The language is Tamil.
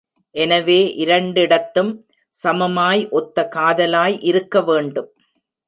எனவே இரண்டிடத்தும் சமமாய் ஒத்த காதலாய் இருக்க வேண்டும்.